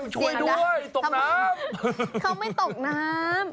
ช่วยด้วยตกน้ำ